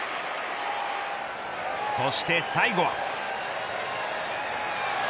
そして最後は。